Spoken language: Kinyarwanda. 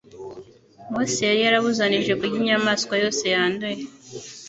Mose yari yarabuzanije kurya inyamaswa yose yanduye.